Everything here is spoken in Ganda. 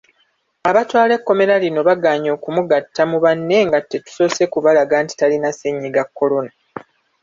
Abatwala ekkomera lino bagaanye okumugatta mu banne nga tetusoose kubalaga nti talina ssennyiga Kolona.